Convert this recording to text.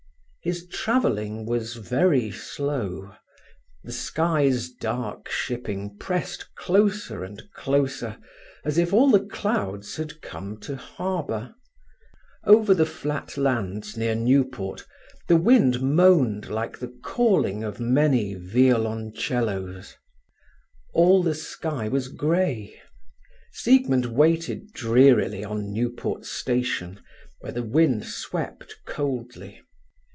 His travelling was very slow. The sky's dark shipping pressed closer and closer, as if all the clouds had come to harbour. Over the flat lands near Newport the wind moaned like the calling of many violoncellos. All the sky was grey. Siegmund waited drearily on Newport station, where the wind swept coldly.